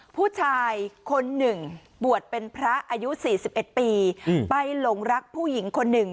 ผู้ชายคนหนึ่งบวชเป็นพระอายุ๔๑ปีไปหลงรักผู้หญิงคนหนึ่ง